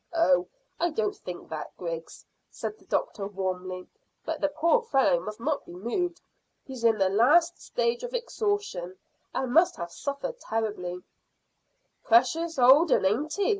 "Oh, I don't think that, Griggs," said the doctor warmly; "but the poor fellow must not be moved. He's in the last stage of exhaustion, and must have suffered terribly." "Precious old un, ain't he?"